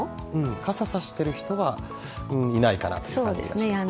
傘を差してる人はいないかなという感じですね。